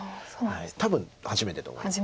多分初めてと思います